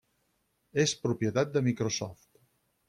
És propietat de Microsoft.